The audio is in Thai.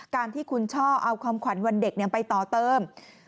การที่คุณช่อเอาความขวัญวันเด็กไปต่อเติม